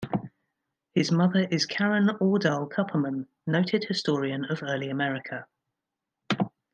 His mother is Karen Ordahl Kupperman, noted historian of Early America.